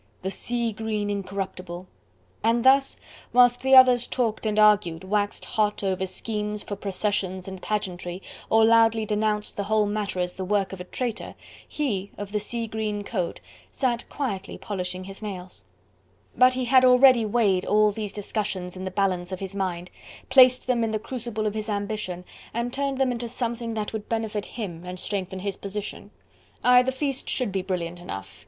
The sea green Incorruptible! And thus whilst others talked and argued, waxed hot over schemes for processions and pageantry, or loudly denounced the whole matter as the work of a traitor, he, of the sea green coat, sat quietly polishing his nails. But he had already weighed all these discussions in the balance of his mind, placed them in the crucible of his ambition, and turned them into something that would benefit him and strengthen his position. Aye! the feast should be brilliant enough!